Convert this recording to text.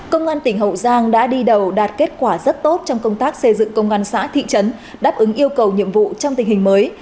công an tỉnh hậu giang đã đi đầu đạt kết quả rất tốt trong công tác xây dựng công an xã thị trấn đáp ứng yêu cầu nhiệm vụ trong tình hình mới